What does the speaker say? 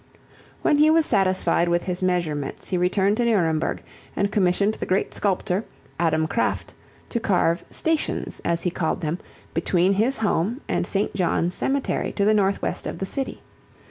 When he was satisfied with his measurements he returned to Nuremberg and commissioned the great sculptor, Adam Kraft, to carve "stations," as he called them, between his home and St. John's Cemetery to the northwest of the city.